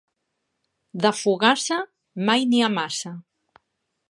De fogassa mai n'hi ha massa.